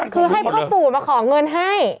คือให้พ่อปู่มาขอเงินให้